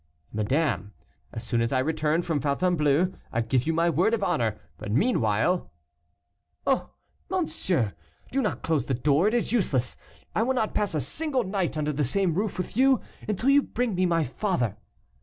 "Madame, as soon as I return from Fontainebleau, I give you my word of honor, but meanwhile " "Oh! monsieur, do not close the door, it is useless; I will not pass a single night under the same roof with you until you bring me my father."